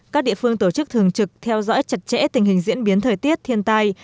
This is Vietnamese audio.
các địa phương tổ chức thường trực theo dõi chặt chẽ tình hình diễn biến thời tiết thiên tai